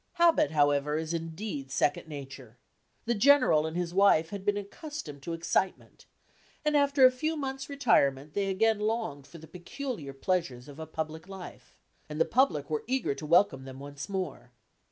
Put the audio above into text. Habit, however, is indeed second nature. The General and his wife had been accustomed to excitement, and after a few months' retirement they again longed for the peculiar pleasures of a public life, and the public were eager to welcome them once more.